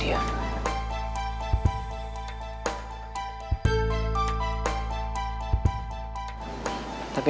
cinta mati sama dia